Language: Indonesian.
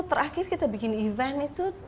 terakhir kita bikin event itu